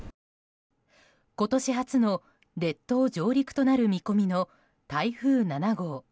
今年初の列島上陸となる見込みの台風７号。